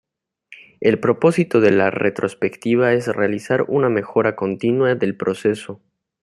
El propósito de la retrospectiva es realizar una mejora continua del proceso.